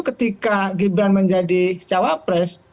ketika gibran menjadi cawapres